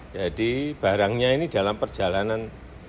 jadi barangnya ini dalam perjalanan